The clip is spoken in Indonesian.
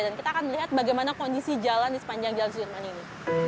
dan kita akan melihat bagaimana kondisi jalan di sepanjang jalan sudirman ini